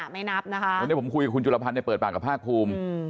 เดี๋ยวผมคุยกับคุณจุฬพันธ์ในเปิดปากกับภาคภูมิ